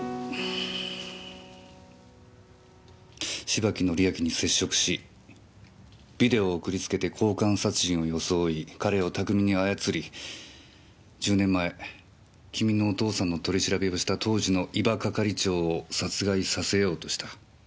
芝木倫明に接触しビデオを送りつけて交換殺人を装い彼を巧みに操り１０年前君のお父さんの取り調べをした当時の伊庭係長を殺害させようとした。